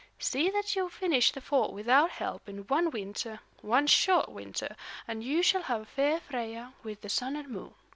See that you finish the fort without help in one winter, one short winter, and you shall have fair Freia with the Sun and Moon.